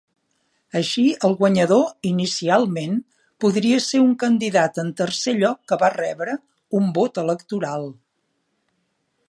Així, el guanyador, inicialment, podria ser un candidat en tercer lloc que va rebre un vot electoral.